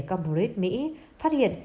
cambridge mỹ phát hiện